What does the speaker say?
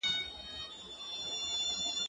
زه اوږده وخت ښوونځی ته ځم وم!؟